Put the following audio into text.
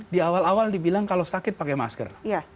di awal awal dibilang kalau sakit pakai masker